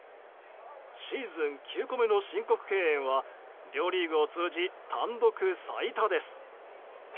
シーズン９個目の申告敬遠は両リーグを通じ単独最多です。